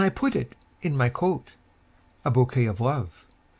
put it in my coat,A bouquet of Love!